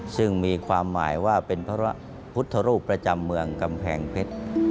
ซึ่งมีความหมายว่าเป็นพระพุทธรูปประจำเมืองกำแพงเพชร